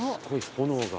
炎が。